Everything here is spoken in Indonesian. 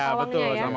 iya betul sama sama